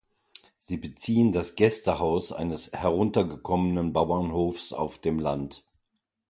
Sie beziehen das Gästehaus eines heruntergekommenen Bauernhofs auf dem Land.